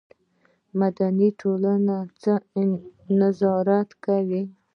مدني ټولنه څه نظارت کوي؟